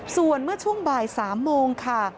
ส่วนเมื่อช่วงบ่าย๓โมงค่ะ